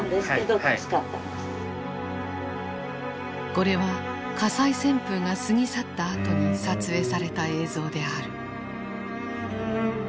これは火災旋風が過ぎ去ったあとに撮影された映像である。